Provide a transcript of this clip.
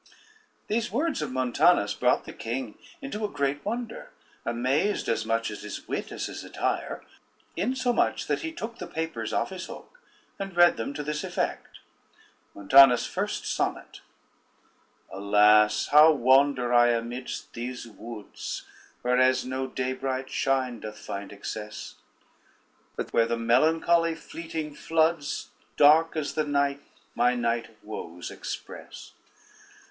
] These words of Montanus brought the king into a great wonder, amazed as much at his wit as his attire, insomuch that he took the papers off his hook, and read them to this effect: Montanus' first Sonnet Alas! how wander I amidst these woods Whereas no day bright shine doth find access; But where the melancholy fleeting floods, Dark as the night, my night of woes express.